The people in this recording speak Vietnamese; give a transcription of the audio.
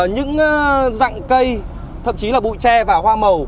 những dạng cây thậm chí là bụi tre và hoa màu